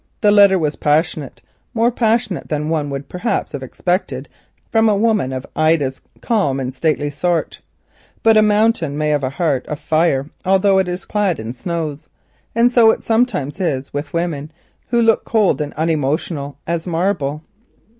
The letter was loving, even passionate, more passionate perhaps than one would have expected from a woman of Ida's calm and stately sort. But a mountain may have a heart of fire although it is clad in snows, and so it sometimes is with women who seem cold and unemotional as marble.